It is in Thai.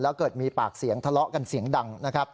แล้วเกิดมีปากเสียงทะเลาะกันเสียงดังนะครับ